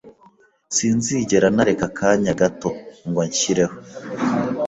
Sinzigera nareka akanya gato ngo anshyireho